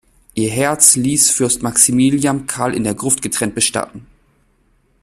Ihr Herz ließ Fürst Maximilian Karl in der Gruft getrennt bestatten.